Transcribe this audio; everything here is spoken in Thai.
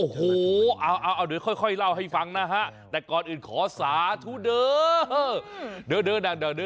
โหโหเอาค่อยเล่าให้ฟังนะฮะแต่ก่อนอื่นขอสาธุเดิร์